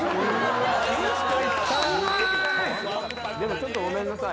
ちょっとごめんなさい。